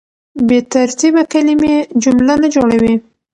بې ترتیبه کلیمې جمله نه جوړوي.